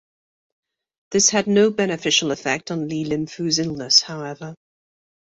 This had no beneficial effect on Li Linfu's illness, however.